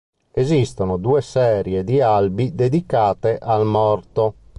Esistono due serie di albi dedicate al morto.